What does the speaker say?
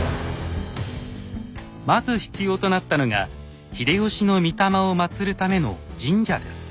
まず必要となったのが秀吉の御霊をまつるための神社です。